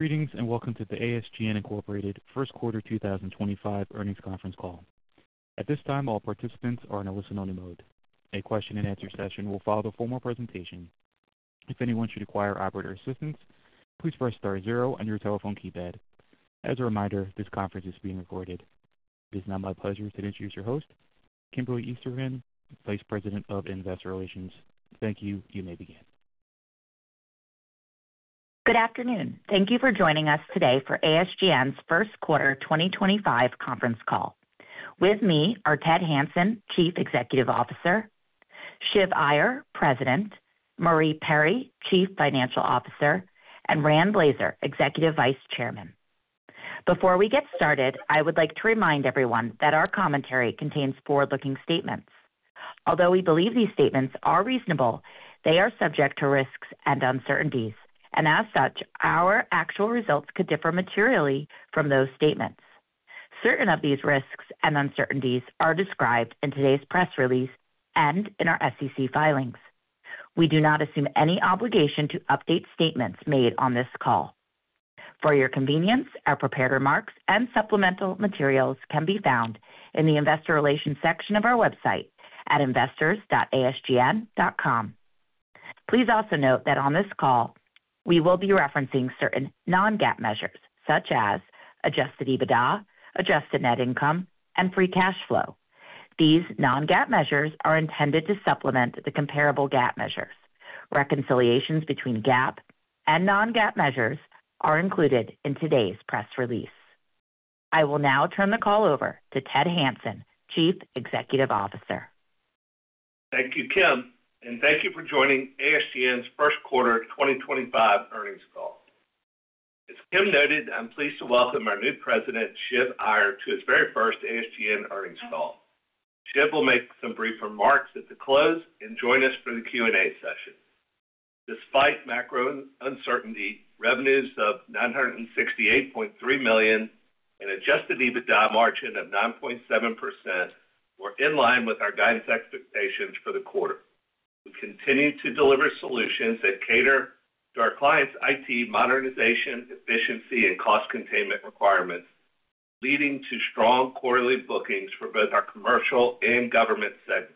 Greetings and welcome to the ASGN Incorporated First Quarter 2025 Earnings Conference call. At this time, all participants are in a listen-only mode. A question-and-answer session will follow the formal presentation. If anyone should require operator assistance, please press star zero on your telephone keypad. As a reminder, this conference is being recorded. It is now my pleasure to introduce your host, Kimberly Esterkin, Vice President of Investor Relations. Thank you. You may begin. Good afternoon. Thank you for joining us today for ASGN's First Quarter 2025 Conference Call. With me are Ted Hanson, Chief Executive Officer; Shiv Iyer, President; Marie Perry, Chief Financial Officer; and Rand Blazer, Executive Vice Chairman. Before we get started, I would like to remind everyone that our commentary contains forward-looking statements. Although we believe these statements are reasonable, they are subject to risks and uncertainties, and as such, our actual results could differ materially from those statements. Certain of these risks and uncertainties are described in today's press release and in our SEC filings. We do not assume any obligation to update statements made on this call. For your convenience, our prepared remarks and supplemental materials can be found in the Investor Relations section of our website at investors.asgn.com. Please also note that on this call, we will be referencing certain non-GAAP measures such as adjusted EBITDA, adjusted net income, and free cash flow. These non-GAAP measures are intended to supplement the comparable GAAP measures. Reconciliations between GAAP and non-GAAP measures are included in today's press release. I will now turn the call over to Ted Hanson, Chief Executive Officer. Thank you, Kim, and thank you for joining ASGN's First Quarter 2025 Earnings Call. As Kim noted, I'm pleased to welcome our new President, Shiv Iyer, to his very first ASGN Earnings Call. Shiv will make some brief remarks at the close and join us for the Q&A session. Despite macro uncertainty, revenues of $968.3 million and an adjusted EBITDA margin of 9.7% were in line with our guidance expectations for the quarter. We continue to deliver solutions that cater to our clients' IT modernization, efficiency, and cost containment requirements, leading to strong quarterly bookings for both our commercial and government segments.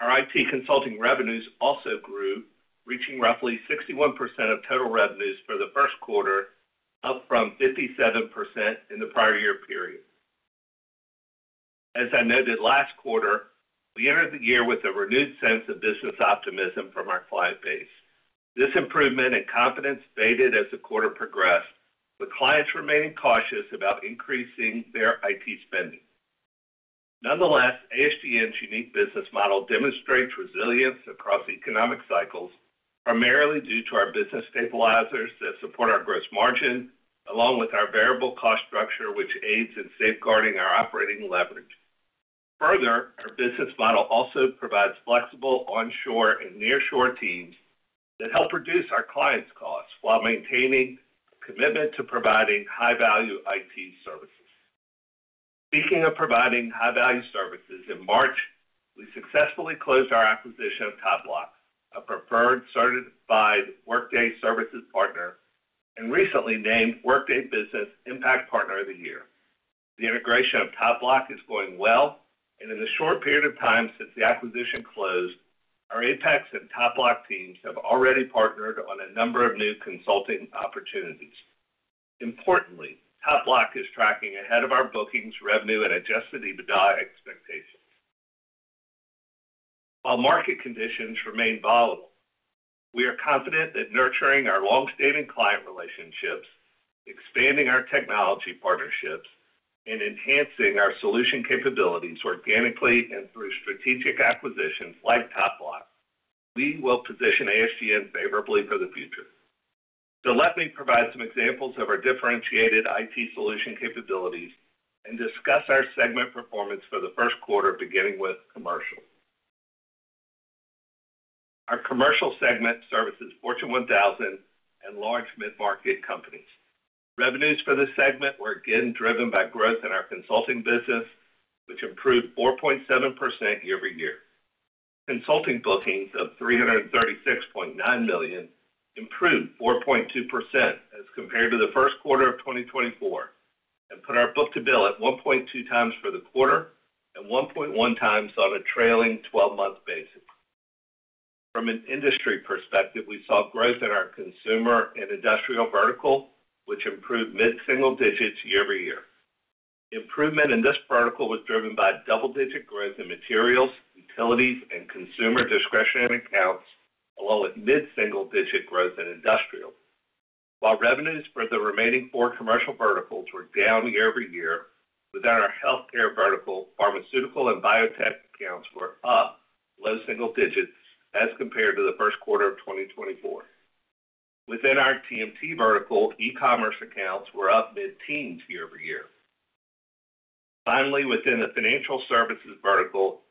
Our IT consulting revenues also grew, reaching roughly 61% of total revenues for the first quarter, up from 57% in the prior year period. As I noted last quarter, we entered the year with a renewed sense of business optimism from our client base. This improvement and confidence faded as the quarter progressed, with clients remaining cautious about increasing their IT spending. Nonetheless, ASGN's unique business model demonstrates resilience across economic cycles, primarily due to our business stabilizers that support our gross margin, along with our variable cost structure, which aids in safeguarding our operating leverage. Further, our business model also provides flexible onshore and nearshore teams that help reduce our clients' costs while maintaining a commitment to providing high-value IT services. Speaking of providing high-value services, in March, we successfully closed our acquisition of TopBloc, a preferred certified Workday services partner, and recently named Workday Business Impact Partner of the Year. The integration of TopBloc is going well, and in the short period of time since the acquisition closed, our Apex and TopBloc teams have already partnered on a number of new consulting opportunities. Importantly, TopBloc is tracking ahead of our bookings, revenue, and adjusted EBITDA expectations. While market conditions remain volatile, we are confident that nurturing our long-standing client relationships, expanding our technology partnerships, and enhancing our solution capabilities organically and through strategic acquisitions like TopBloc, we will position ASGN favorably for the future. Let me provide some examples of our differentiated IT solution capabilities and discuss our segment performance for the first quarter, beginning with commercial. Our commercial segment services Fortune 1000 and large mid-market companies. Revenues for this segment were again driven by growth in our consulting business, which improved 4.7% year-over-year. Consulting bookings of $336.9 million improved 4.2% as compared to the first quarter of 2024 and put our book-to-bill at 1.2 times for the quarter and 1.1 times on a trailing 12-month basis. From an industry perspective, we saw growth in our consumer and industrial vertical, which improved mid-single digits year-over-year. Improvement in this vertical was driven by double-digit growth in materials, utilities, and consumer discretionary accounts, along with mid-single digit growth in industrial. While revenues for the remaining four commercial verticals were down year-over-year, within our healthcare vertical, pharmaceutical and biotech accounts were up low single digits as compared to the first quarter of 2024. Within our TMT vertical, e-commerce accounts were up mid-teens year-over-year. Finally, within the financial services vertical,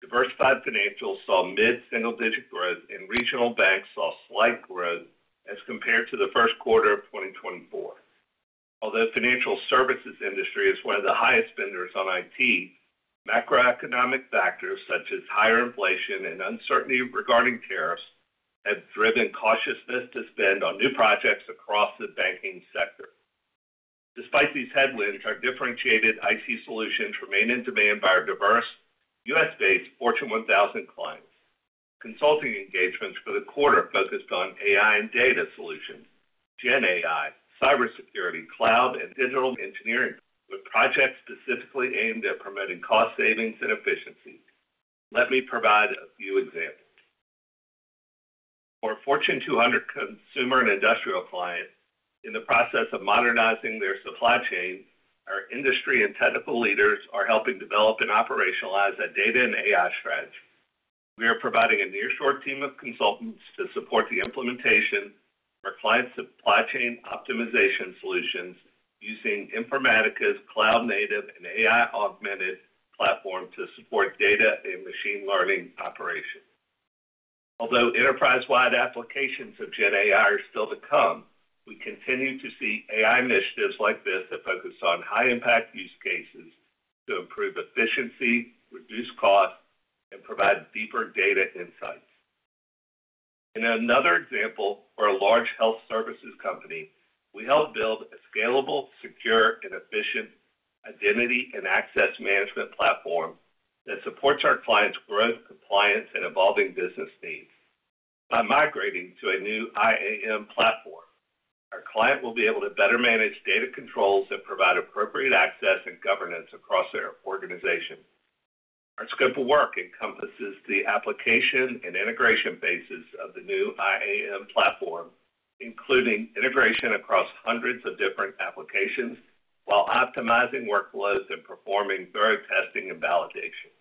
diversified financials saw mid-single digit growth, and regional banks saw slight growth as compared to the first quarter of 2024. Although financial services industry is one of the highest spenders on IT, macroeconomic factors such as higher inflation and uncertainty regarding tariffs have driven cautiousness to spend on new projects across the banking sector. Despite these headwinds, our differentiated IT solutions remain in demand by our diverse U.S.-based Fortune 1000 clients. Consulting engagements for the quarter focused on AI and data solutions, GenAI, cybersecurity, cloud, and digital engineering, with projects specifically aimed at promoting cost savings and efficiency. Let me provide a few examples. For a Fortune 200 consumer and industrial client, in the process of modernizing their supply chain, our industry and technical leaders are helping develop and operationalize a data and AI strategy. We are providing a nearshore team of consultants to support the implementation for client supply chain optimization solutions using Informatica's cloud-native and AI-augmented platform to support data and machine learning operations. Although enterprise-wide applications of GenAI are still to come, we continue to see AI initiatives like this that focus on high-impact use cases to improve efficiency, reduce costs, and provide deeper data insights. In another example, for a large health services company, we helped build a scalable, secure, and efficient identity and access management platform that supports our clients' growth, compliance, and evolving business needs. By migrating to a new IAM platform, our client will be able to better manage data controls and provide appropriate access and governance across their organization. Our scope of work encompasses the application and integration bases of the new IAM platform, including integration across hundreds of different applications while optimizing workloads and performing thorough testing and validation.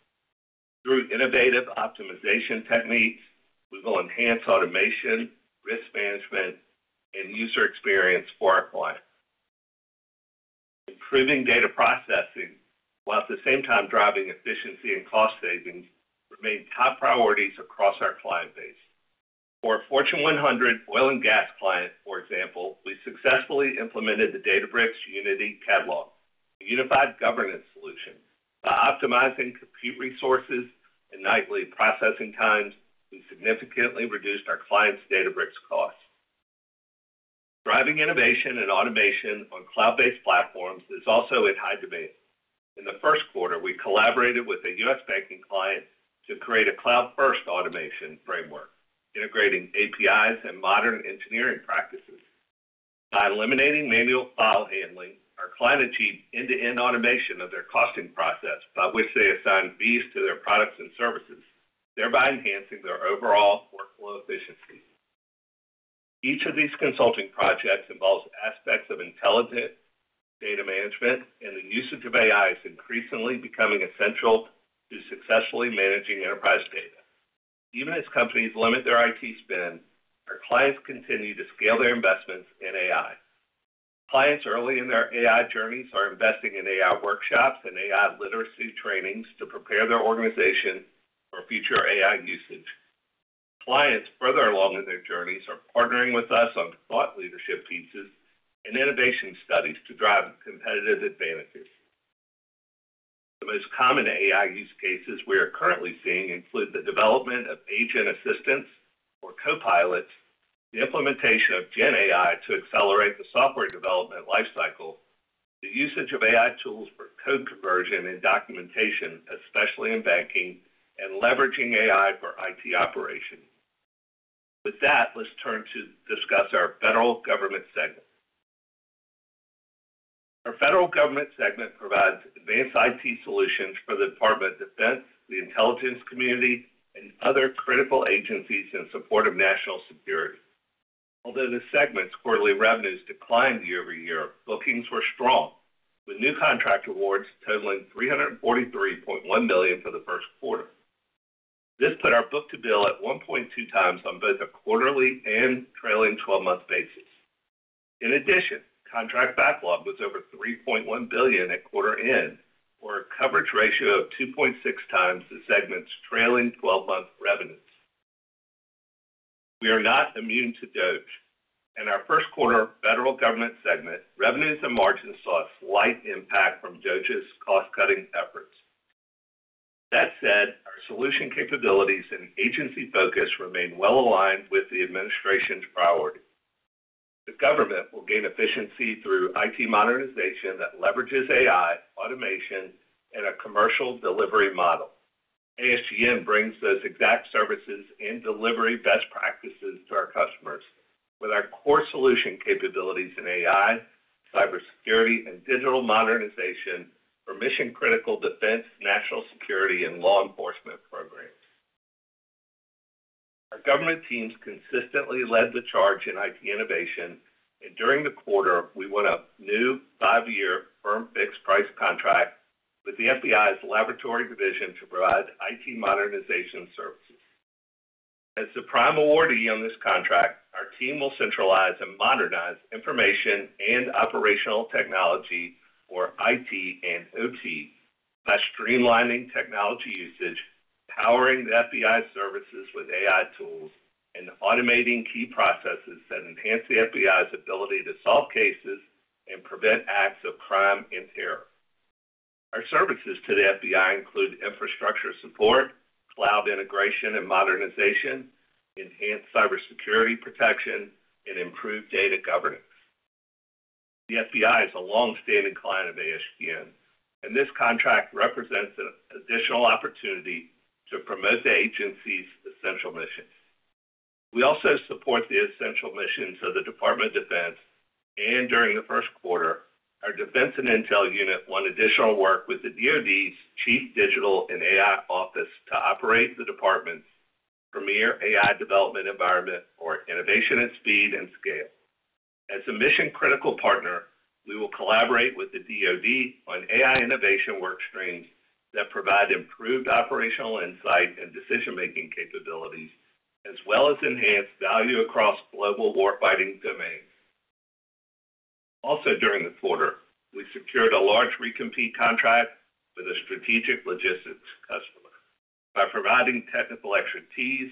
Through innovative optimization techniques, we will enhance automation, risk management, and user experience for our clients. Improving data processing while at the same time driving efficiency and cost savings remain top priorities across our client base. For a Fortune 100 oil and gas client, for example, we successfully implemented the Databricks Unity Catalog, a unified governance solution. By optimizing compute resources and nightly processing times, we significantly reduced our client's Databricks costs. Driving innovation and automation on cloud-based platforms is also in high demand. In the first quarter, we collaborated with a U.S. banking client to create a cloud-first automation framework, integrating APIs and modern engineering practices. By eliminating manual file handling, our client achieved end-to-end automation of their costing process, by which they assigned fees to their products and services, thereby enhancing their overall workflow efficiency. Each of these consulting projects involves aspects of intelligent data management, and the usage of AI is increasingly becoming essential to successfully managing enterprise data. Even as companies limit their IT spend, our clients continue to scale their investments in AI. Clients early in their AI journeys are investing in AI workshops and AI literacy trainings to prepare their organization for future AI usage. Clients further along in their journeys are partnering with us on thought leadership pieces and innovation studies to drive competitive advantages. The most common AI use cases we are currently seeing include the development of agent assistants or copilots, the implementation of GenAI to accelerate the software development lifecycle, the usage of AI tools for code conversion and documentation, especially in banking, and leveraging AI for IT operations. With that, let's turn to discuss our federal government segment. Our federal government segment provides advanced IT solutions for the Department of Defense, the intelligence community, and other critical agencies in support of national security. Although the segment's quarterly revenues declined year-over-year, bookings were strong, with new contract awards totaling $343.1 million for the first quarter. This put our book-to-bill at 1.2 times on both a quarterly and trailing 12-month basis. In addition, contract backlog was over $3.1 billion at quarter end, for a coverage ratio of 2.6 times the segment's trailing 12-month revenues. We are not immune to DoD, and our first quarter federal government segment revenues and margins saw a slight impact from DoD's cost-cutting efforts. That said, our solution capabilities and agency focus remain well aligned with the administration's priorities. The government will gain efficiency through IT modernization that leverages AI, automation, and a commercial delivery model. ASGN brings those exact services and delivery best practices to our customers with our core solution capabilities in AI, cybersecurity, and digital modernization for mission-critical defense, national security, and law enforcement programs. Our government teams consistently led the charge in IT innovation, and during the quarter, we won a new five-year firm fixed price contract with the FBI's Laboratory Division to provide IT modernization services. As the prime awardee on this contract, our team will centralize and modernize information and operational technology for IT and OT by streamlining technology usage, powering the FBI's services with AI tools, and automating key processes that enhance the FBI's ability to solve cases and prevent acts of crime and terror. Our services to the FBI include infrastructure support, cloud integration and modernization, enhanced cybersecurity protection, and improved data governance. The FBI is a long-standing client of ASGN, and this contract represents an additional opportunity to promote the agency's essential mission. We also support the essential missions of the Department of Defense, and during the first quarter, our defense and intel unit won additional work with the DoD's Chief Digital and AI Office to operate the department's premier AI development environment for innovation at speed and scale. As a mission-critical partner, we will collaborate with the DoD on AI innovation workstreams that provide improved operational insight and decision-making capabilities, as well as enhanced value across global warfighting domains. Also, during the quarter, we secured a large recompete contract with a strategic logistics customer. By providing technical expertise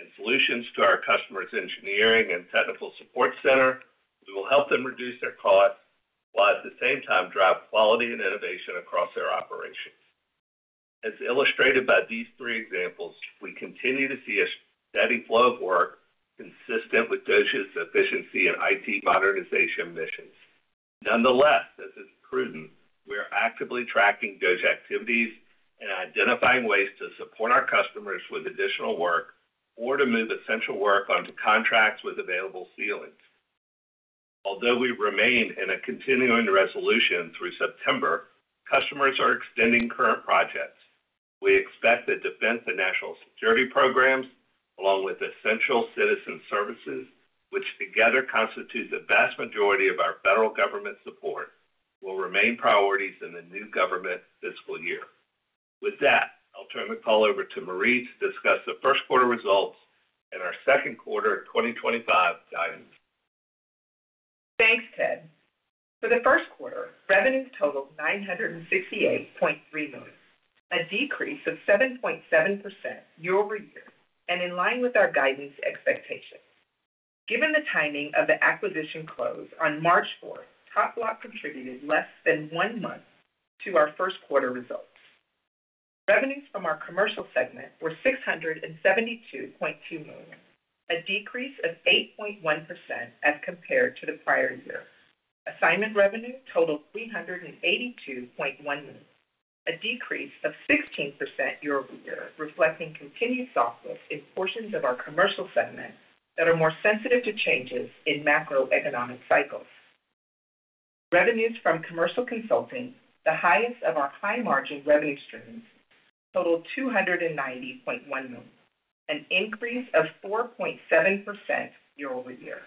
and solutions to our customer's engineering and technical support center, we will help them reduce their costs while at the same time drive quality and innovation across their operations. As illustrated by these three examples, we continue to see a steady flow of work consistent with DoD's efficiency and IT modernization missions. Nonetheless, as is prudent, we are actively tracking DoD activities and identifying ways to support our customers with additional work or to move essential work onto contracts with available ceilings. Although we remain in a continuing resolution through September, customers are extending current projects. We expect that defense and national security programs, along with essential citizen services, which together constitute the vast majority of our federal government support, will remain priorities in the new government fiscal year. With that, I'll turn the call over to Marie to discuss the first quarter results and our second quarter 2025 guidance. Thanks, Ted. For the first quarter, revenues totaled $968.3 million, a decrease of 7.7% year-over-year and in line with our guidance expectations. Given the timing of the acquisition close on March 4, TopBloc contributed less than one month to our first quarter results. Revenues from our commercial segment were $672.2 million, a decrease of 8.1% as compared to the prior year. Assignment revenue totaled $382.1 million, a decrease of 16% year-over-year, reflecting continued softness in portions of our commercial segment that are more sensitive to changes in macroeconomic cycles. Revenues from commercial consulting, the highest of our high-margin revenue streams, totaled $290.1 million, an increase of 4.7% year-over-year.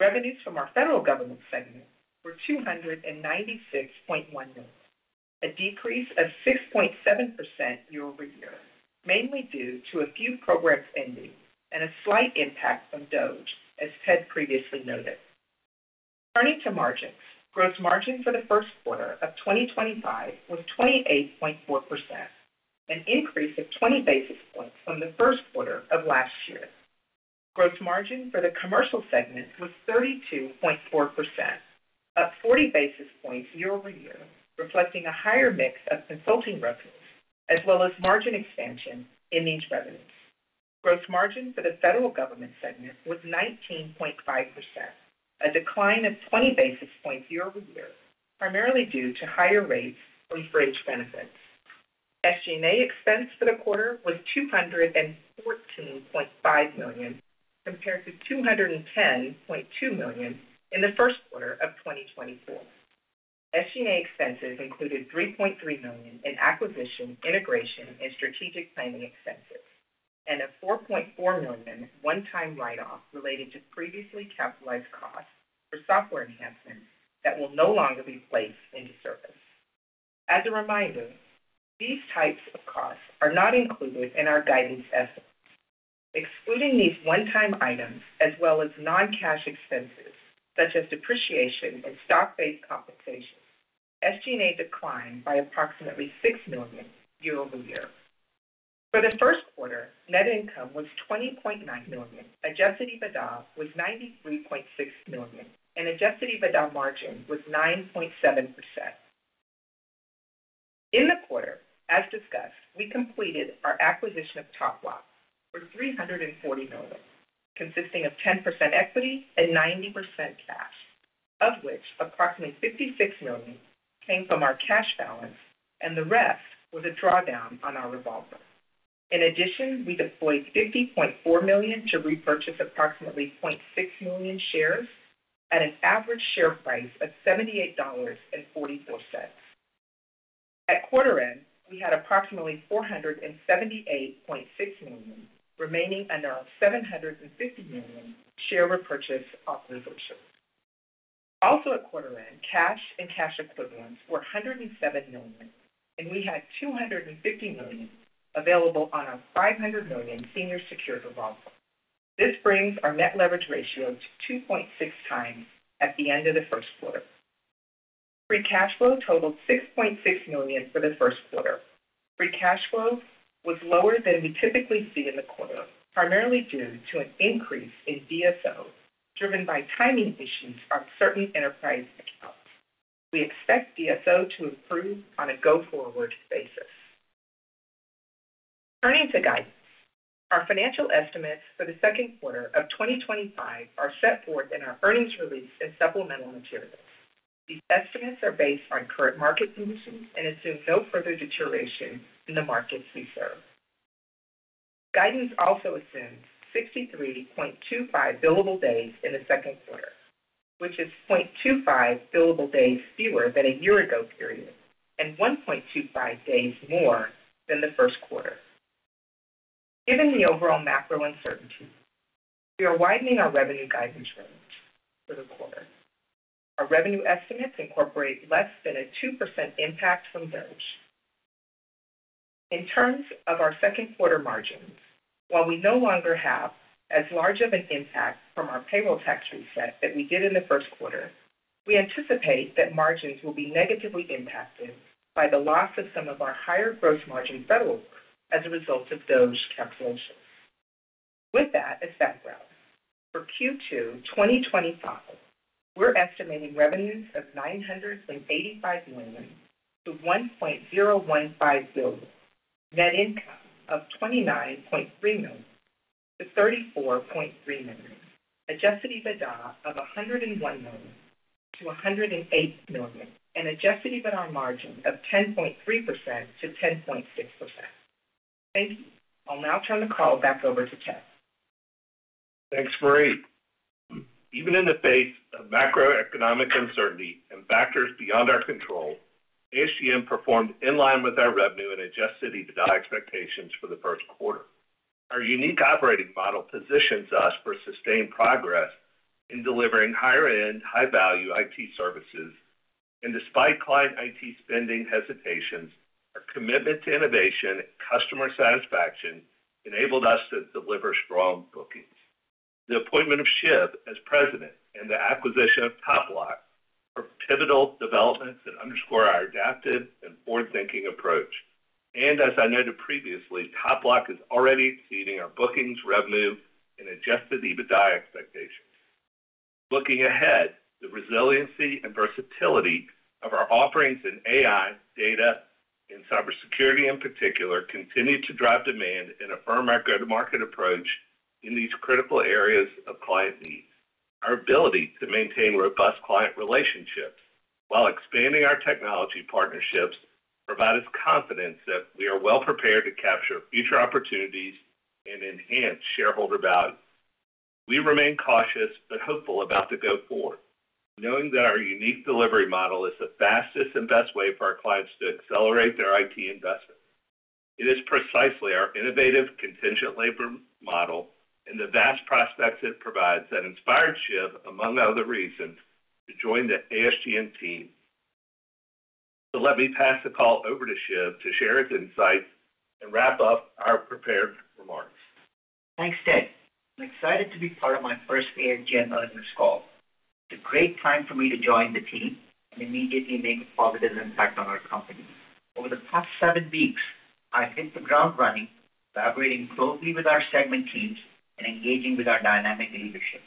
Revenues from our federal government segment were $296.1 million, a decrease of 6.7% year-over-year, mainly due to a few programs ending and a slight impact from DoD, as Ted previously noted. Turning to margins, gross margin for the first quarter of 2025 was 28.4%, an increase of 20 basis points from the first quarter of last year. Gross margin for the commercial segment was 32.4%, up 40 basis points year-over-year, reflecting a higher mix of consulting revenues as well as margin expansion in these revenues. Gross margin for the federal government segment was 19.5%, a decline of 20 basis points year-over-year, primarily due to higher rates from fringe benefits. SG&A expense for the quarter was $214.5 million compared to $210.2 million in the first quarter of 2024. SG&A expenses included $3.3 million in acquisition, integration, and strategic planning expenses, and a $4.4 million one-time write-off related to previously capitalized costs for software enhancements that will no longer be placed into service. As a reminder, these types of costs are not included in our guidance estimates. Excluding these one-time items, as well as non-cash expenses such as depreciation and stock-based compensation, SG&A declined by approximately $6 million year-over-year. For the first quarter, net income was $20.9 million, adjusted EBITDA was $93.6 million, and adjusted EBITDA margin was 9.7%. In the quarter, as discussed, we completed our acquisition of TopBloc for $340 million, consisting of 10% equity and 90% cash, of which approximately $56 million came from our cash balance, and the rest was a drawdown on our revolver. In addition, we deployed $50.4 million to repurchase approximately 600,000 shares at an average share price of $78.44. At quarter end, we had approximately $478.6 million remaining under our $750 million share repurchase authorization. Also at quarter end, cash and cash equivalents were $107 million, and we had $250 million available on our $500 million senior secured revolver. This brings our net leverage ratio to 2.6 times at the end of the first quarter. Free cash flow totaled $6.6 million for the first quarter. Free cash flow was lower than we typically see in the quarter, primarily due to an increase in DSO driven by timing issues on certain enterprise accounts. We expect DSO to improve on a go-forward basis. Turning to guidance, our financial estimates for the second quarter of 2025 are set forth in our earnings release and supplemental materials. These estimates are based on current market conditions and assume no further deterioration in the markets we serve. Guidance also assumes 63.25 billable days in the second quarter, which is 0.25 billable days fewer than a year-ago period and 1.25 days more than the first quarter. Given the overall macro uncertainty, we are widening our revenue guidance range for the quarter. Our revenue estimates incorporate less than a 2% impact from DoD. In terms of our second quarter margins, while we no longer have as large of an impact from our payroll tax reset that we did in the first quarter, we anticipate that margins will be negatively impacted by the loss of some of our higher gross margin federal work as a result of DoD capitalization. With that as background, for Q2 2025, we're estimating revenues of $985 million-$1.015 billion, net income of $29.3 million-$34.3 million, adjusted EBITDA of $101 million-$108 million, and adjusted EBITDA margin of 10.3%-10.6%. Thank you. I'll now turn the call back over to Ted. Thanks, Marie. Even in the face of macroeconomic uncertainty and factors beyond our control, ASGN performed in line with our revenue and adjusted EBITDA expectations for the first quarter. Our unique operating model positions us for sustained progress in delivering higher-end, high-value IT services, and despite client IT spending hesitations, our commitment to innovation and customer satisfaction enabled us to deliver strong bookings. The appointment of Shiv as President and the acquisition of TopBloc are pivotal developments that underscore our adaptive and forward-thinking approach. As I noted previously, TopBloc is already exceeding our bookings, revenue, and adjusted EBITDA expectations. Looking ahead, the resiliency and versatility of our offerings in AI, data, and cybersecurity in particular continue to drive demand and affirm our go-to-market approach in these critical areas of client needs. Our ability to maintain robust client relationships while expanding our technology partnerships provides us confidence that we are well-prepared to capture future opportunities and enhance shareholder value. We remain cautious but hopeful about the go-forward, knowing that our unique delivery model is the fastest and best way for our clients to accelerate their IT investments. It is precisely our innovative contingent labor model and the vast prospects it provides that inspired Shiv, among other reasons, to join the ASGN team. Let me pass the call over to Shiv to share his insights and wrap up our prepared remarks. Thanks, Ted. I'm excited to be part of my first ASGN earnings call. It's a great time for me to join the team and immediately make a positive impact on our company. Over the past seven weeks, I've hit the ground running, collaborating closely with our segment teams and engaging with our dynamic leadership.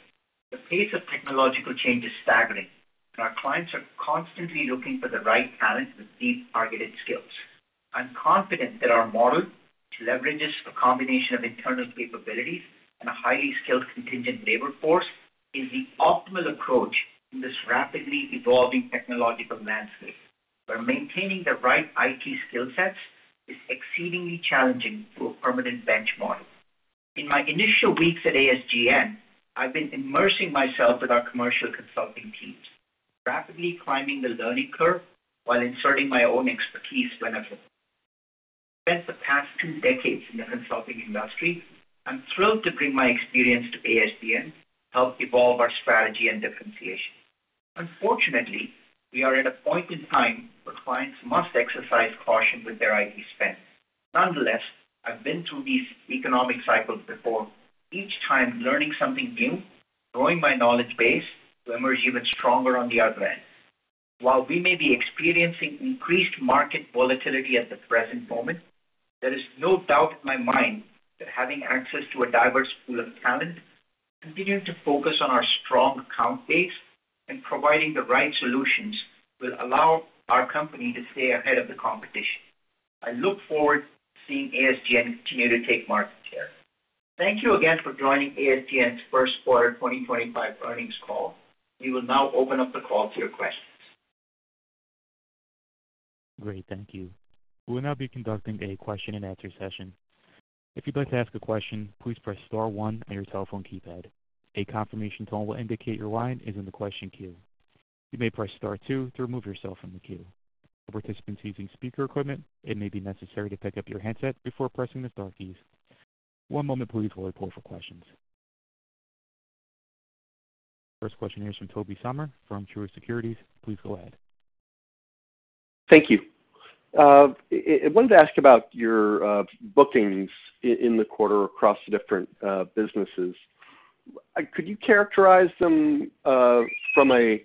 The pace of technological change is staggering, and our clients are constantly looking for the right talent with deep, targeted skills. I'm confident that our model, which leverages a combination of internal capabilities and a highly skilled contingent labor force, is the optimal approach in this rapidly evolving technological landscape, where maintaining the right IT skill sets is exceedingly challenging to a permanent benchmark. In my initial weeks at ASGN, I've been immersing myself with our commercial consulting teams, rapidly climbing the learning curve while inserting my own expertise when I could. I spent the past two decades in the consulting industry. I'm thrilled to bring my experience to ASGN to help evolve our strategy and differentiation. Unfortunately, we are at a point in time where clients must exercise caution with their IT spend. Nonetheless, I've been through these economic cycles before, each time learning something new, growing my knowledge base to emerge even stronger on the other end. While we may be experiencing increased market volatility at the present moment, there is no doubt in my mind that having access to a diverse pool of talent, continuing to focus on our strong account base, and providing the right solutions will allow our company to stay ahead of the competition. I look forward to seeing ASGN continue to take market share. Thank you again for joining ASGN's first quarter 2025 earnings call. We will now open up the call to your questions. Great, thank you. We will now be conducting a question-and-answer session. If you'd like to ask a question, please press Star 1 on your telephone keypad. A confirmation tone will indicate your line is in the question queue. You may press Star 2 to remove yourself from the queue. For participants using speaker equipment, it may be necessary to pick up your handset before pressing the Star keys. One moment, please, while we pull up for questions. First question here is from Tobey Sommer from Truist Securities. Please go ahead. Thank you. I wanted to ask about your bookings in the quarter across the different businesses. Could you characterize them from a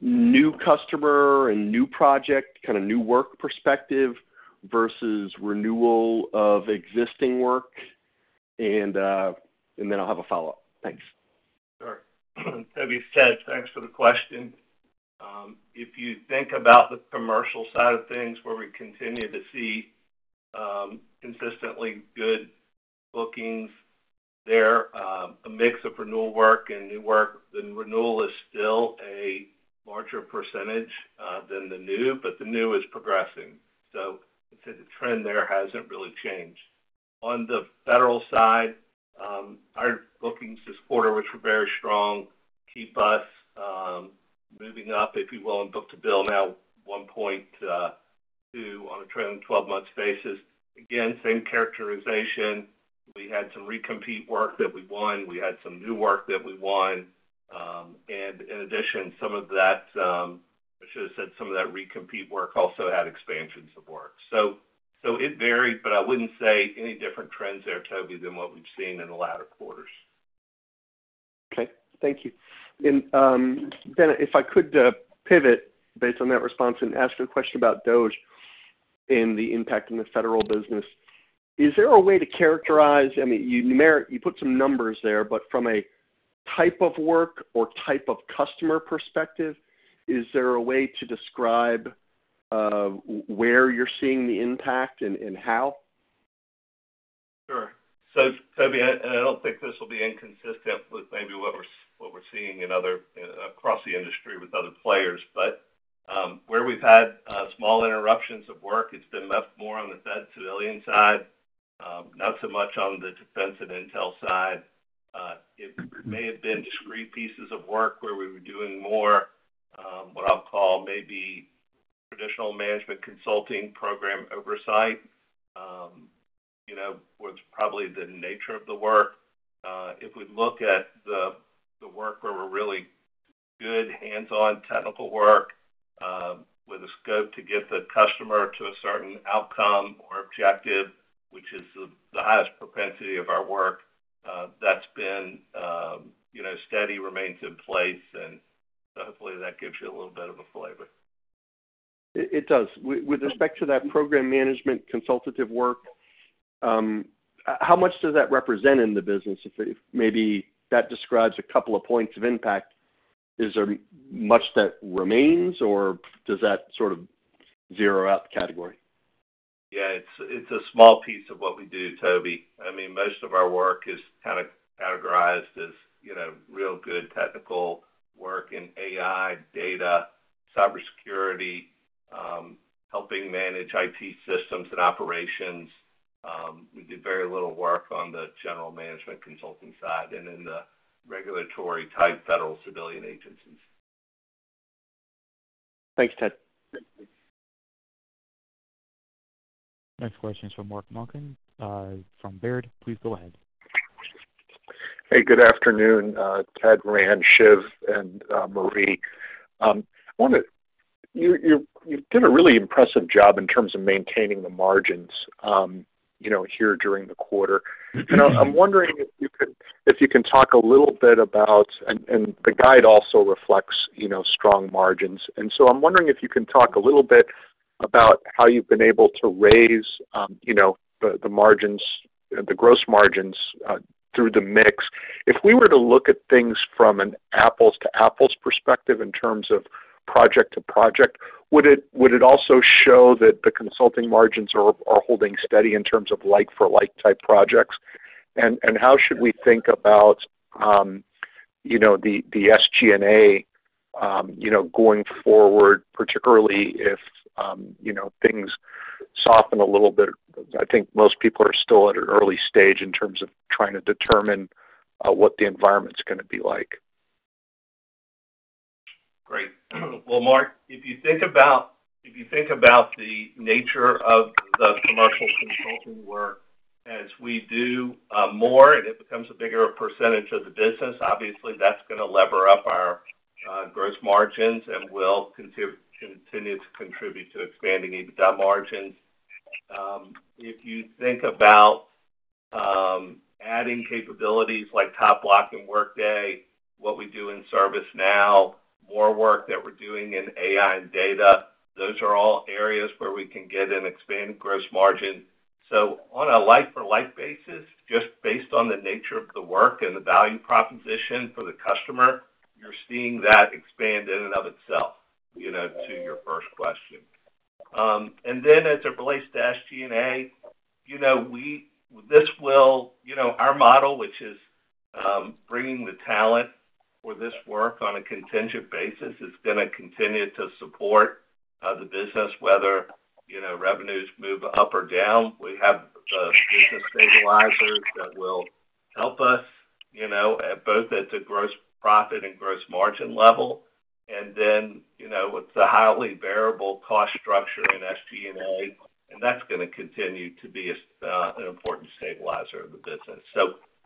new customer, a new project, kind of new work perspective versus renewal of existing work? And then I'll have a follow-up. Thanks. Sure. That'd be Ted. Thanks for the question. If you think about the commercial side of things, where we continue to see consistently good bookings there, a mix of renewal work and new work, the renewal is still a larger percentage than the new, but the new is progressing. I'd say the trend there hasn't really changed. On the federal side, our bookings this quarter were very strong, keep us moving up, if you will, in book-to-bill now 1.2 on a trailing 12-month basis. Again, same characterization. We had some recompete work that we won. We had some new work that we won. In addition, some of that, I should have said, some of that recompete work also had expansions of work. It varied, but I wouldn't say any different trends there, Tobey, than what we've seen in the latter quarters. Okay. Thank you. Ben, if I could pivot based on that response and ask a question about DoD and the impact in the federal business, is there a way to characterize—I mean, you put some numbers there, but from a type of work or type of customer perspective, is there a way to describe where you're seeing the impact and how? Sure. Toby, I don't think this will be inconsistent with maybe what we're seeing across the industry with other players. Where we've had small interruptions of work, it's been left more on the Fed civilian side, not so much on the defense and intel side. It may have been discrete pieces of work where we were doing more what I'll call maybe traditional management consulting program oversight, where it's probably the nature of the work. If we look at the work where we're really good hands-on technical work with a scope to get the customer to a certain outcome or objective, which is the highest propensity of our work, that's been steady, remains in place. Hopefully that gives you a little bit of a flavor. It does. With respect to that program management consultative work, how much does that represent in the business? If maybe that describes a couple of points of impact, is there much that remains, or does that sort of zero out the category? Yeah, it's a small piece of what we do, Tobey. I mean, most of our work is kind of categorized as real good technical work in AI, data, cybersecurity, helping manage IT systems and operations. We do very little work on the general management consulting side and in the regulatory-type federal civilian agencies. Thanks, Ted. Next question is from Mark Marcon from Baird. Please go ahead. Hey, good afternoon, Ted, Rand, Shiv, and Marie. You did a really impressive job in terms of maintaining the margins here during the quarter. I'm wondering if you can talk a little bit about—and the guide also reflects strong margins. I'm wondering if you can talk a little bit about how you've been able to raise the gross margins through the mix. If we were to look at things from an apples-to-apples perspective in terms of project to project, would it also show that the consulting margins are holding steady in terms of like-for-like type projects? How should we think about the SG&A going forward, particularly if things soften a little bit? I think most people are still at an early stage in terms of trying to determine what the environment's going to be like. Great. Mark, if you think about the nature of the commercial consulting work, as we do more and it becomes a bigger percentage of the business, obviously that's going to lever up our gross margins and will continue to contribute to expanding EBITDA margins. If you think about adding capabilities like TopBloc and Workday, what we do in ServiceNow, more work that we're doing in AI and data, those are all areas where we can get an expanded gross margin. On a like-for-like basis, just based on the nature of the work and the value proposition for the customer, you're seeing that expand in and of itself to your first question. As it relates to SG&A, our model, which is bringing the talent for this work on a contingent basis, is going to continue to support the business, whether revenues move up or down. We have the business stabilizers that will help us both at the gross profit and gross margin level. With the highly variable cost structure in SG&A, that's going to continue to be an important stabilizer of the business.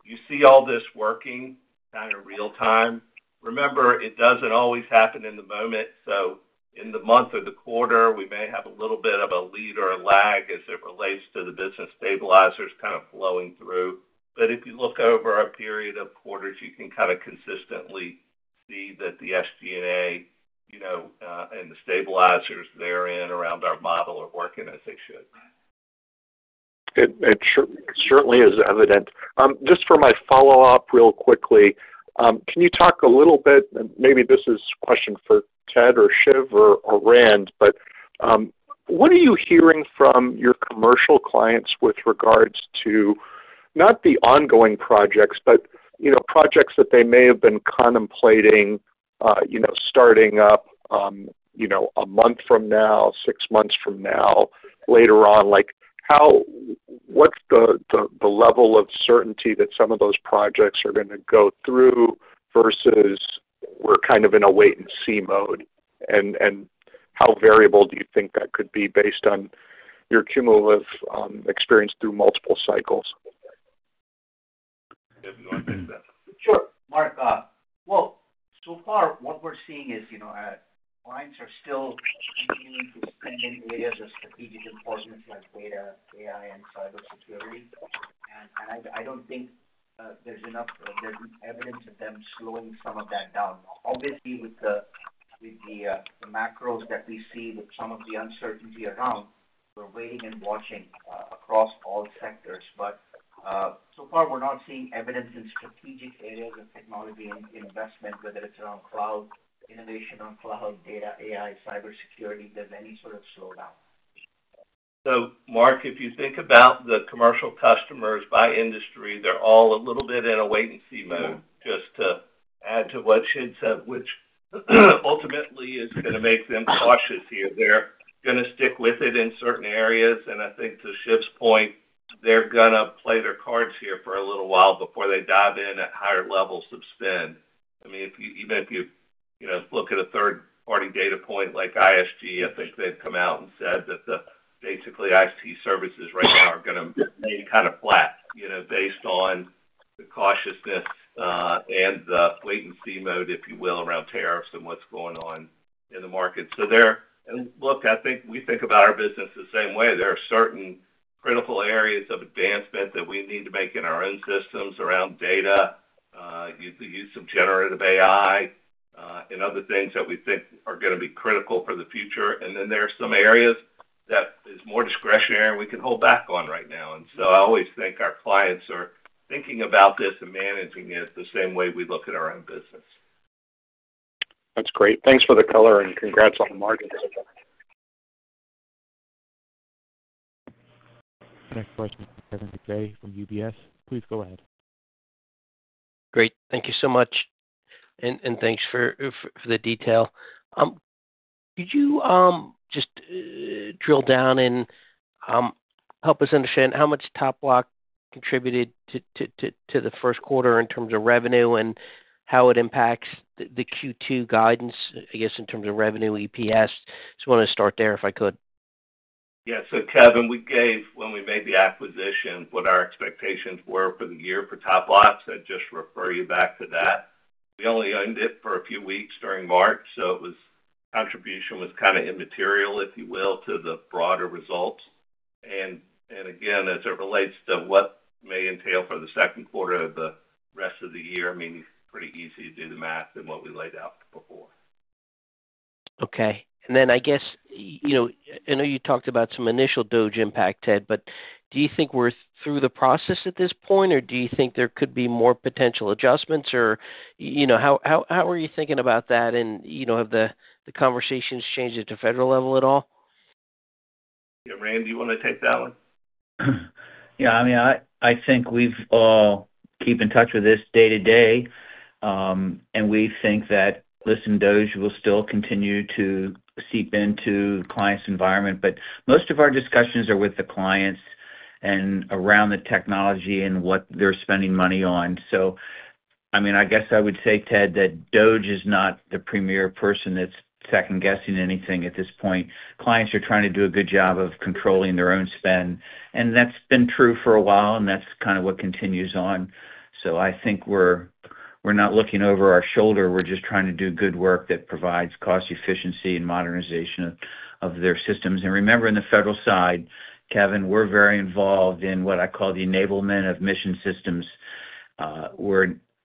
You see all this working kind of real-time. Remember, it doesn't always happen in the moment. In the month or the quarter, we may have a little bit of a lead or a lag as it relates to the business stabilizers kind of flowing through. If you look over a period of quarters, you can kind of consistently see that the SG&A and the stabilizers therein around our model are working as they should. It certainly is evident. Just for my follow-up real quickly, can you talk a little bit—maybe this is a question for Ted or Shiv or Rand—what are you hearing from your commercial clients with regards to not the ongoing projects, but projects that they may have been contemplating starting up a month from now, six months from now, later on? What's the level of certainty that some of those projects are going to go through versus we're kind of in a wait-and-see mode? How variable do you think that could be based on your cumulative experience through multiple cycles? Yeah, no, that makes sense. Sure. Mark, so far what we're seeing is clients are still continuing to spend in areas of strategic importance like data, AI, and cybersecurity. I don't think there's enough evidence of them slowing some of that down. Obviously, with the macros that we see, with some of the uncertainty around, we're waiting and watching across all sectors. So far, we're not seeing evidence in strategic areas of technology and investment, whether it's around cloud, innovation on cloud, data, AI, cybersecurity, there's any sort of slowdown. Mark, if you think about the commercial customers by industry, they're all a little bit in a wait-and-see mode. Just to add to what Shiv said, which ultimately is going to make them cautious here. They're going to stick with it in certain areas. I think to Shiv's point, they're going to play their cards here for a little while before they dive in at higher levels of spend. I mean, even if you look at a third-party data point like ISG, I think they've come out and said that basically IT services right now are going to remain kind of flat based on the cautiousness and the wait-and-see mode, if you will, around tariffs and what's going on in the market. Look, I think we think about our business the same way. There are certain critical areas of advancement that we need to make in our own systems around data, use some generative AI, and other things that we think are going to be critical for the future. Then there are some areas that are more discretionary and we can hold back on right now. I always think our clients are thinking about this and managing it the same way we look at our own business. That's great. Thanks for the color and congrats on the margins. Next question is Kevin McVeigh from UBS. Please go ahead. Great. Thank you so much. And thanks for the detail. Could you just drill down and help us understand how much TopBloc contributed to the first quarter in terms of revenue and how it impacts the Q2 guidance, I guess, in terms of revenue, EPS? Just want to start there if I could. Yeah. So Kevin, when we made the acquisition, what our expectations were for the year for TopBloc, I'd just refer you back to that. We only owned it for a few weeks during March, so contribution was kind of immaterial, if you will, to the broader results. Again, as it relates to what may entail for the second quarter of the rest of the year, I mean, it's pretty easy to do the math than what we laid out before. Okay. I guess I know you talked about some initial DoD impact, Ted, but do you think we're through the process at this point, or do you think there could be more potential adjustments, or how are you thinking about that? Have the conversations changed at the federal level at all? Yeah. Rand, do you want to take that one? Yeah. I mean, I think we keep in touch with this day to day, and we think that, listen, DoD will still continue to seep into the client's environment. Most of our discussions are with the clients and around the technology and what they're spending money on. I mean, I guess I would say, Ted, that DoD is not the premier person that's second-guessing anything at this point. Clients are trying to do a good job of controlling their own spend. That's been true for a while, and that's kind of what continues on. I think we're not looking over our shoulder. We're just trying to do good work that provides cost efficiency and modernization of their systems. Remember, in the federal side, Kevin, we're very involved in what I call the enablement of mission systems.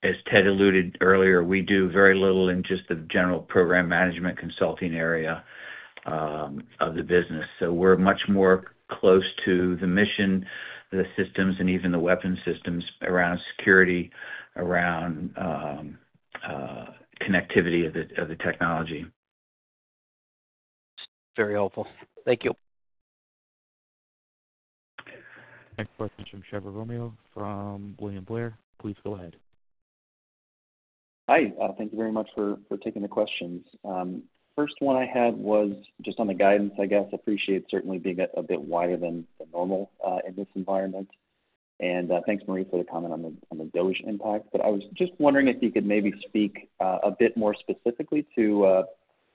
As Ted alluded earlier, we do very little in just the general program management consulting area of the business. We're much more close to the mission, the systems, and even the weapons systems around security, around connectivity of the technology. That's very helpful. Thank you. Next question is from Trevor Romeo from William Blair. Please go ahead. Hi. Thank you very much for taking the questions. First one I had was just on the guidance, I guess. Appreciate certainly being a bit wider than normal in this environment. Thanks, Marie, for the comment on the DoD impact. I was just wondering if you could maybe speak a bit more specifically to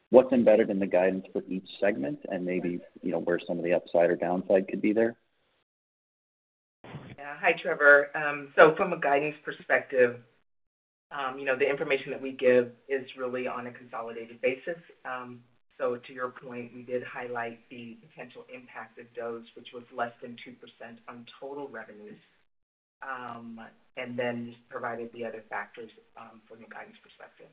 what's embedded in the guidance for each segment and maybe where some of the upside or downside could be there. Yeah. Hi, Trevor. From a guidance perspective, the information that we give is really on a consolidated basis. To your point, we did highlight the potential impact of DoD, which was less than 2% on total revenues, and then just provided the other factors from a guidance perspective.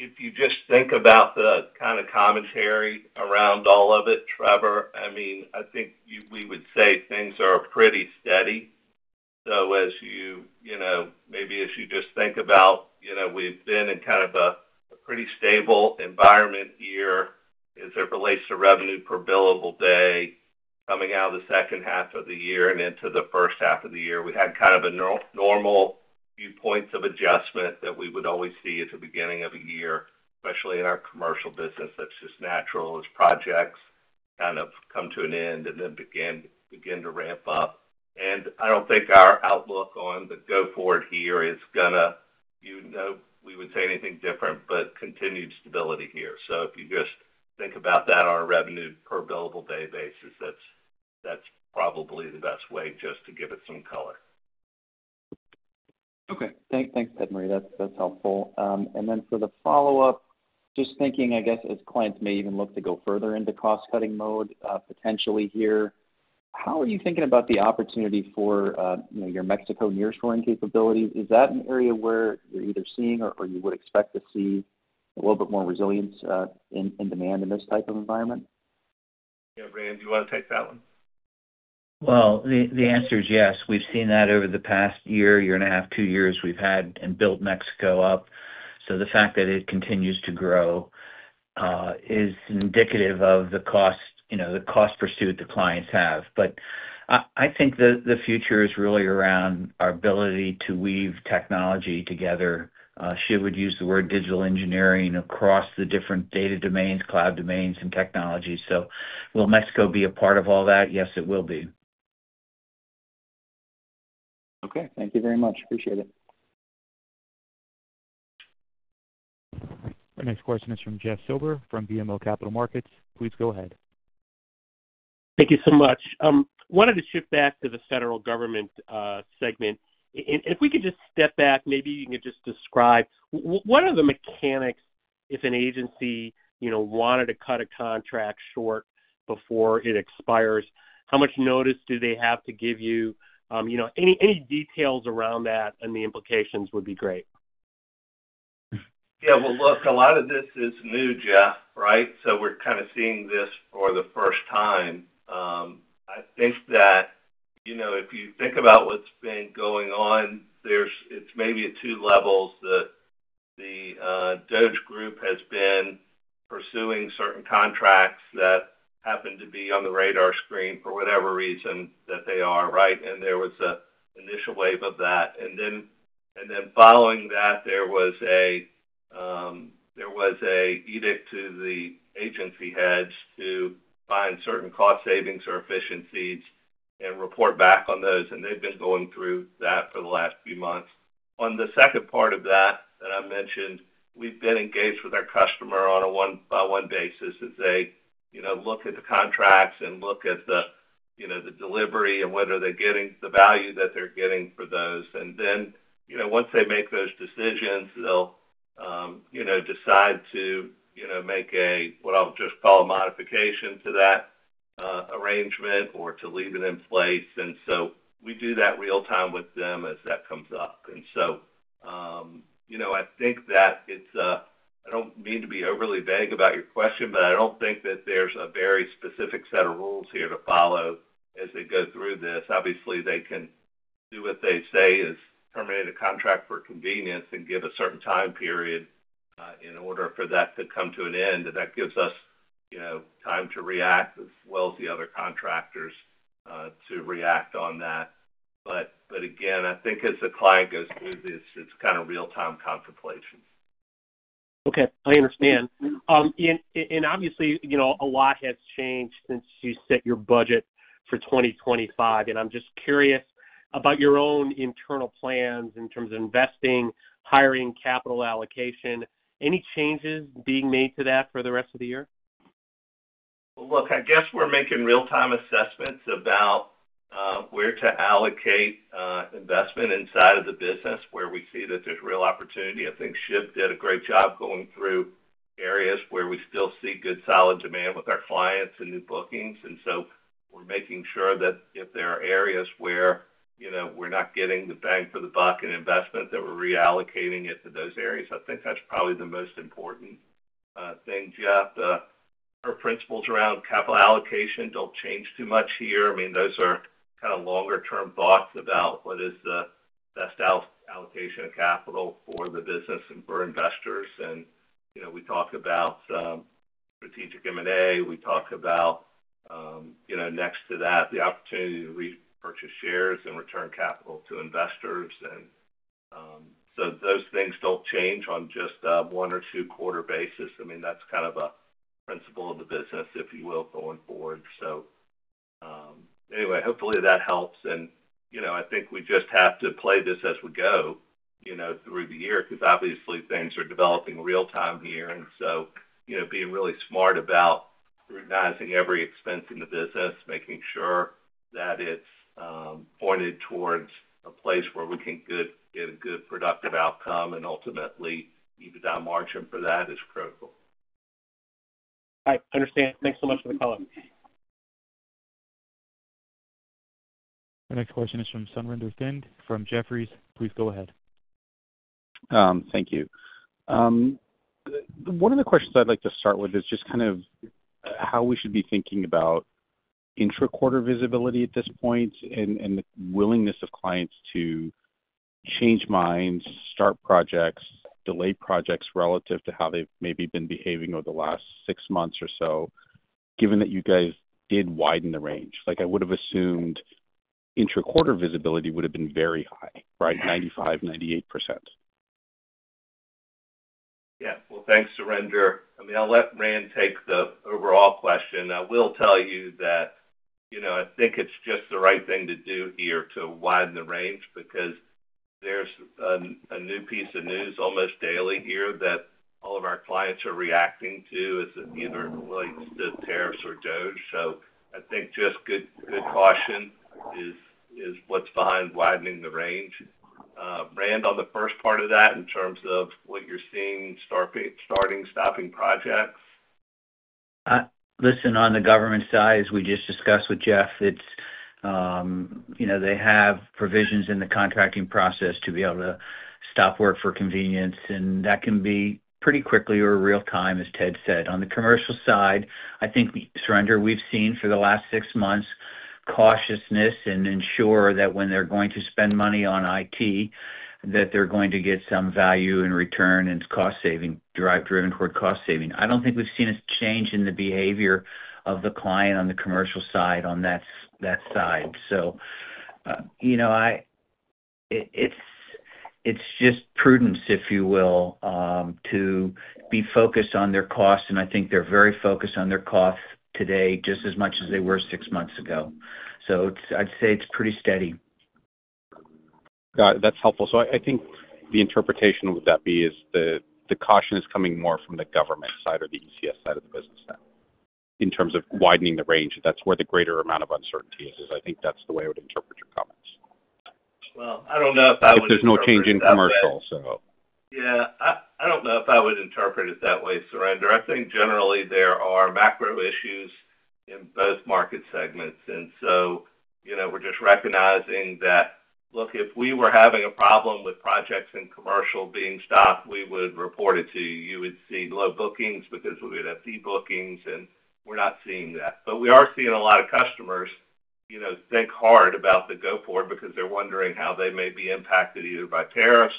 If you just think about the kind of commentary around all of it, Trevor, I mean, I think we would say things are pretty steady. If you just think about we've been in kind of a pretty stable environment here as it relates to revenue per billable day coming out of the second half of the year and into the first half of the year. We had kind of normal viewpoints of adjustment that we would always see at the beginning of the year, especially in our commercial business. That's just natural as projects kind of come to an end and then begin to ramp up. I don't think our outlook on the go forward here is going to—we would say anything different—continued stability here. If you just think about that on a revenue per billable day basis, that's probably the best way just to give it some color. Okay. Thanks, Ted. Marie, that's helpful. For the follow-up, just thinking, I guess, as clients may even look to go further into cost-cutting mode potentially here, how are you thinking about the opportunity for your Mexico nearshoring capabilities? Is that an area where you're either seeing or you would expect to see a little bit more resilience in demand in this type of environment? Yeah. Rand, do you want to take that one? The answer is yes. We've seen that over the past year, year and a half, two years we've had and built Mexico up. The fact that it continues to grow is indicative of the cost pursuit the clients have. I think the future is really around our ability to weave technology together. Shiv would use the word digital engineering across the different data domains, cloud domains, and technology. So will Mexico be a part of all that? Yes, it will be. Okay. Thank you very much. Appreciate it. Next question is from Jeff Silber from BMO Capital Markets. Please go ahead. Thank you so much. Wanted to shift back to the federal government segment. If we could just step back, maybe you can just describe what are the mechanics if an agency wanted to cut a contract short before it expires? How much notice do they have to give you? Any details around that and the implications would be great. Yeah. Look, a lot of this is new, Jeff, right? We're kind of seeing this for the first time. I think that if you think about what's been going on, it's maybe at two levels. The DoD group has been pursuing certain contracts that happen to be on the radar screen for whatever reason that they are, right? There was an initial wave of that. Following that, there was an edict to the agency heads to find certain cost savings or efficiencies and report back on those. They've been going through that for the last few months. On the second part of that that I mentioned, we've been engaged with our customer on a one-by-one basis as they look at the contracts and look at the delivery and whether they're getting the value that they're getting for those. Once they make those decisions, they'll decide to make a, what I'll just call a modification to that arrangement or to leave it in place. We do that real-time with them as that comes up. I think that it's—I don't mean to be overly vague about your question, but I don't think that there's a very specific set of rules here to follow as they go through this. Obviously, they can do what they say is terminate a contract for convenience and give a certain time period in order for that to come to an end. That gives us time to react as well as the other contractors to react on that. Again, I think as the client goes through this, it's kind of real-time contemplation. Okay. I understand. Obviously, a lot has changed since you set your budget for 2025. I'm just curious about your own internal plans in terms of investing, hiring, capital allocation. Any changes being made to that for the rest of the year? Look, I guess we're making real-time assessments about where to allocate investment inside of the business where we see that there's real opportunity. I think Shiv did a great job going through areas where we still see good solid demand with our clients and new bookings. We're making sure that if there are areas where we're not getting the bang for the buck in investment, that we're reallocating it to those areas. I think that's probably the most important thing, Jeff. Our principles around capital allocation don't change too much here. I mean, those are kind of longer-term thoughts about what is the best allocation of capital for the business and for investors. We talk about strategic M&A. We talk about next to that, the opportunity to repurchase shares and return capital to investors. Those things do not change on just a one or two-quarter basis. I mean, that is kind of a principle of the business, if you will, going forward. Hopefully that helps. I think we just have to play this as we go through the year because obviously things are developing real-time here. Being really smart about scrutinizing every expense in the business, making sure that it is pointed towards a place where we can get a good productive outcome and ultimately even down margin for that is critical. I understand. Thanks so much for the color. Next question is from Surinder Thind from Jefferies. Please go ahead. Thank you. One of the questions I'd like to start with is just kind of how we should be thinking about intra-quarter visibility at this point and the willingness of clients to change minds, start projects, delay projects relative to how they've maybe been behaving over the last six months or so, given that you guys did widen the range. I would have assumed intra-quarter visibility would have been very high, right? 95%, 98%. Yes. Thanks, Surinder. I mean, I'll let Rand take the overall question. I will tell you that I think it's just the right thing to do here to widen the range because there's a new piece of news almost daily here that all of our clients are reacting to. It's either related to tariffs or DoD. I think just good caution is what's behind widening the range. Rand, on the first part of that in terms of what you're seeing, starting, stopping projects? Listen, on the government side, as we just discussed with Jeff, they have provisions in the contracting process to be able to stop work for convenience. That can be pretty quickly or real-time, as Ted said. On the commercial side, I think, Surinder, we've seen for the last six months cautiousness and ensure that when they're going to spend money on IT, that they're going to get some value in return and cost-saving, drive driven toward cost-saving. I don't think we've seen a change in the behavior of the client on the commercial side, on that side. It's just prudence, if you will, to be focused on their costs. I think they're very focused on their costs today just as much as they were six months ago. I'd say it's pretty steady. That's helpful. I think the interpretation would that be is the caution is coming more from the government side or the ECS side of the business in terms of widening the range. That's where the greater amount of uncertainty is. I think that's the way I would interpret your comments. I don't know if I would—there's no change in commercial, so. Yeah. I don't know if I would interpret it that way, Surinder. I think generally there are macro issues in both market segments. We're just recognizing that, look, if we were having a problem with projects in commercial being stopped, we would report it to you. You would see low bookings because we would have debookings. We're not seeing that. We are seeing a lot of customers think hard about the go forward because they're wondering how they may be impacted either by tariffs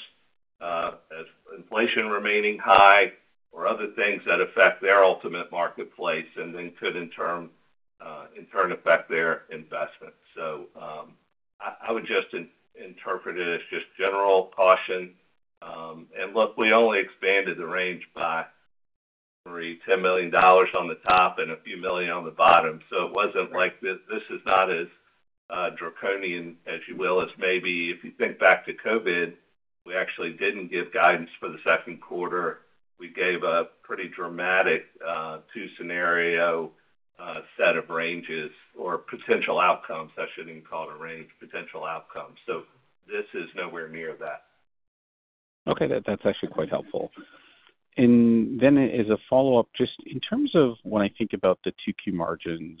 as inflation remaining high or other things that affect their ultimate marketplace and then could in turn affect their investment. I would just interpret it as just general caution. Look, we only expanded the range by, Marie, $10 million on the top and a few million on the bottom. It was not like this is not as draconian, as you will, as maybe if you think back to COVID, we actually did not give guidance for the second quarter. We gave a pretty dramatic two-scenario set of ranges or potential outcomes. I should not even call it a range, potential outcomes. This is nowhere near that. Okay. That is actually quite helpful. Then as a follow-up, just in terms of when I think about the two-key margins,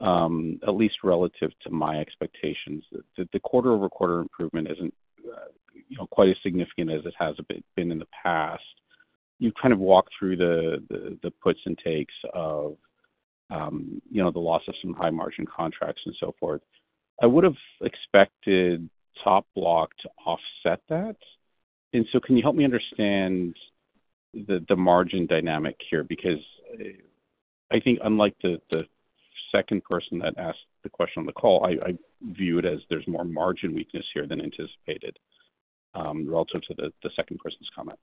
at least relative to my expectations, the quarter-over-quarter improvement isn't quite as significant as it has been in the past. You've kind of walked through the puts and takes of the loss of some high-margin contracts and so forth. I would have expected TopBloc to offset that. Can you help me understand the margin dynamic here? Because I think, unlike the second person that asked the question on the call, I view it as there's more margin weakness here than anticipated relative to the second person's comments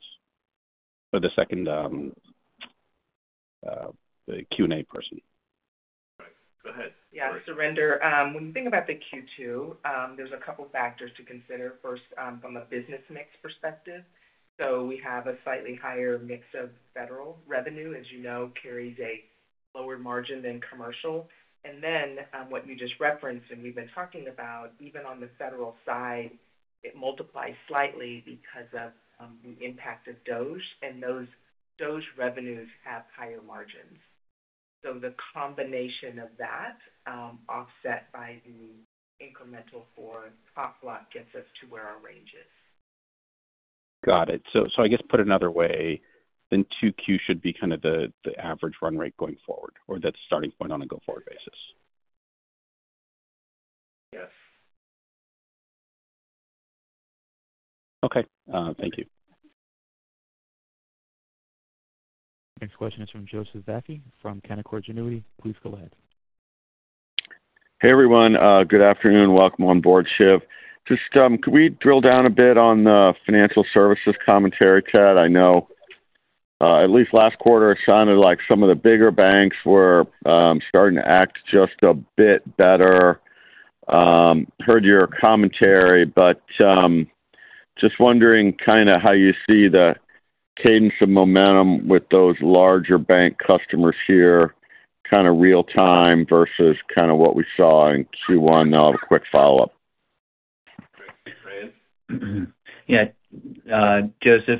or the second Q&A person. Right. Go ahead. Yeah. Surinder, when you think about the Q2, there's a couple of factors to consider. First, from a business mix perspective. We have a slightly higher mix of federal revenue, as you know, carries a lower margin than commercial. And then what you just referenced, and we've been talking about, even on the federal side, it multiplies slightly because of the impact of DoD. And those DoD revenues have higher margins. The combination of that offset by the incremental for TopBloc gets us to where our range is. Got it. I guess put another way, then 2Q should be kind of the average run rate going forward or that starting point on a go forward basis. Yes. Okay. Thank you. Next question is from Joseph Vafi from Canaccord Genuity. Please go ahead. Hey, everyone. Good afternoon. Welcome on board, Shiv. Just could we drill down a bit on the financial services commentary, Ted? I know at least last quarter it sounded like some of the bigger banks were starting to act just a bit better. Heard your commentary, but just wondering kind of how you see the cadence of momentum with those larger bank customers here, kind of real-time versus kind of what we saw in Q1. Now, a quick follow-up. Thank you, Rand. Yeah. Joseph,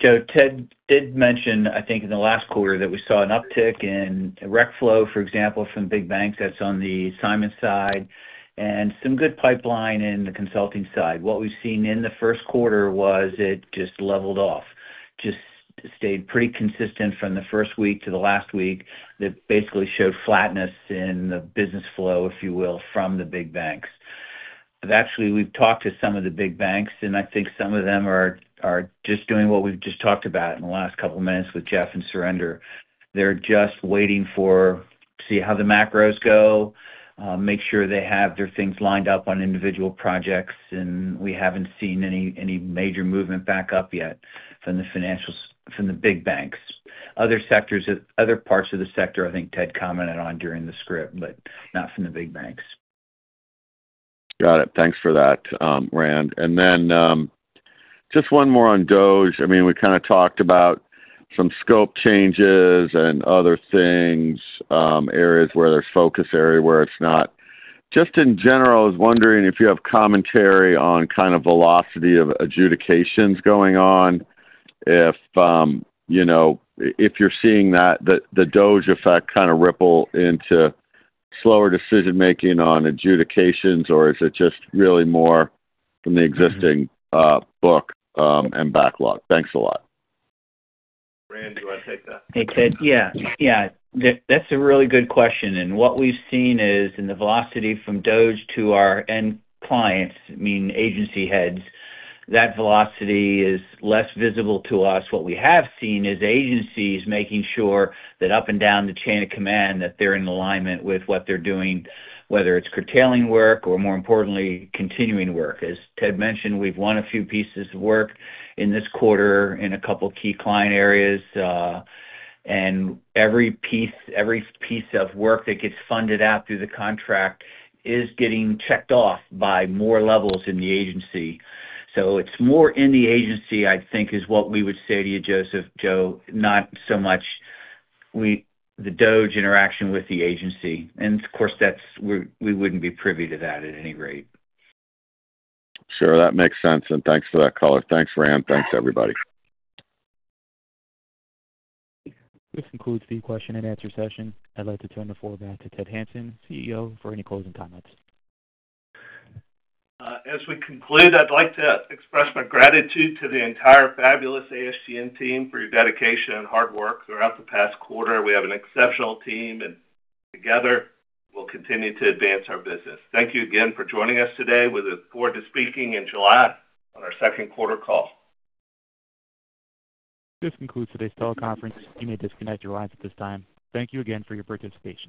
Ted did mention, I think, in the last quarter that we saw an uptick in rec flow, for example, from big banks that's on the Assignment side and some good pipeline in the consulting side. What we've seen in the first quarter was it just leveled off, just stayed pretty consistent from the first week to the last week. It basically showed flatness in the business flow, if you will, from the big banks. Actually, we've talked to some of the big banks, and I think some of them are just doing what we've just talked about in the last couple of minutes with Jeff and Surinder. They're just waiting to see how the macros go, make sure they have their things lined up on individual projects. We haven't seen any major movement back up yet from the big banks. Other sectors, other parts of the sector, I think Ted commented on during the script, but not from the big banks. Got it. Thanks for that, Rand. Just one more on DoD. I mean, we kind of talked about some scope changes and other things, areas where there's focus, area where it's not. Just in general, I was wondering if you have commentary on kind of velocity of adjudications going on. If you're seeing that the DoD effect kind of ripple into slower decision-making on adjudications, or is it just really more from the existing book and backlog? Thanks a lot. Rand, do you want to take that? Hey, Ted. Yeah. Yeah. That's a really good question. And what we've seen is in the velocity from DoD to our end clients, I mean, agency heads, that velocity is less visible to us. What we have seen is agencies making sure that up and down the chain of command, that they're in alignment with what they're doing, whether it's curtailing work or, more importantly, continuing work. As Ted mentioned, we've won a few pieces of work in this quarter in a couple of key client areas. Every piece of work that gets funded out through the contract is getting checked off by more levels in the agency. It is more in the agency, I think, is what we would say to you, Joseph, Joe, not so much the DoD interaction with the agency. Of course, we would not be privy to that at any rate. Sure. That makes sense. Thanks for that, color. Thanks, Rand. Thanks, everybody. This concludes the question and answer session. I would like to turn the floor back to Ted Hanson, CEO, for any closing comments. As we conclude, I would like to express my gratitude to the entire fabulous ASGN team for your dedication and hard work throughout the past quarter. We have an exceptional team, and together, we will continue to advance our business. Thank you again for joining us today. We look forward to speaking in July on our second quarter call. This concludes today's teleconference. You may disconnect your lines at this time. Thank you again for your participation.